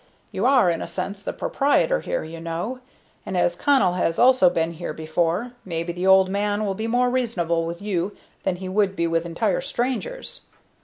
You are, in a sense, the proprietor here, you know, and as Connell has also been here before, maybe the old man will be more reasonable with you than he would be with entire strangers."